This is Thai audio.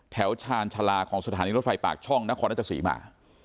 ชาญชาลาของสถานีรถไฟปากช่องนครราชสีมา